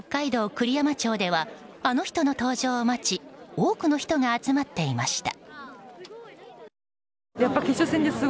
栗山町ではあの人の登場を待ち多くの人が集まっていました。